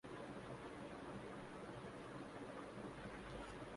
احطیاط کیجئے